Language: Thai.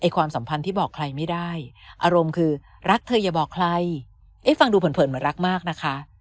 ความสัมพันธ์ที่บอกใครไม่ได้อารมณ์คือรักเธออย่าบอกใครเอ๊ะฟังดูเผินเหมือนรักมากนะคะ